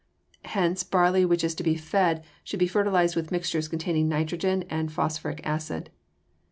Hence barley which is to be fed should be fertilized with mixtures containing nitrogen and phosphoric acid.